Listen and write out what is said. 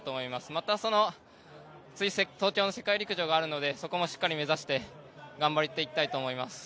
また東京の世界陸上もあるのでそこもしっかりと目指して頑張っていきたいと思います。